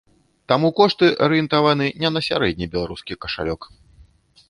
Таму кошты арыентаваны не на сярэдні беларускі кашалёк.